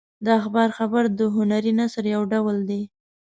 د اخبار خبر د هنري نثر یو ډول نه دی.